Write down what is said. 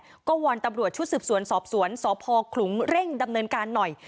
นี่แหละก็วรรณ์ตำรวจชุดสืบสวนสอบสวนสอบพอขลุงเร่งดำเนินการหน่อย